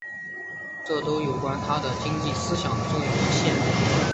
这都是有关他的经济思想的重要文献。